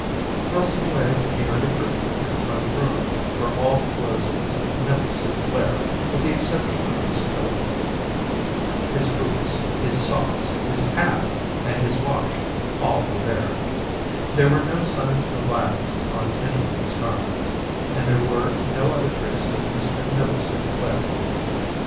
Thrust away behind a curtain in the front room were all the clothes of Mr. Neville St. Clair, with the exception of his coat. His boots, his socks, his hat, and his watch—all were there. There were no signs of violence upon any of these garments, and there were no other traces of Mr. Neville St. Clair.